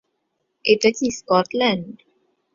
এটা কি স্কটল্যান্ড?